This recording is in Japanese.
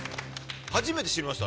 初めて知りました。